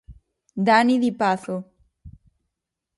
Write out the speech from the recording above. Dani di Pazo.